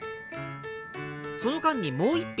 その間にもう１品。